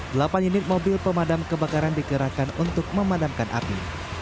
delapan unit mobil pemadam kebakaran dikerahkan untuk memadamkan api